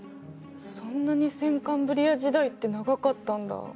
そんなに先カンブリア時代って長かったんだ。